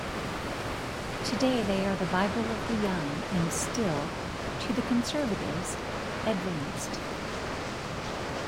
Today they are the Bible of the young and still, to the conservatives, "advanced."...